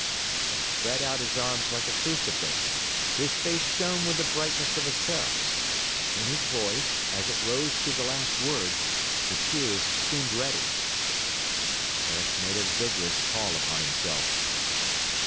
He spread out his arms like a crucifix, his face shone with the brightness of a seraph's; in his voice, as it rose to the last word, the tears seemed ready. Herrick made a vigorous call upon himself.